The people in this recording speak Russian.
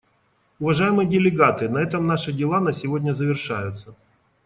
Уважаемые делегаты, на этом наши дела на сегодня завершаются.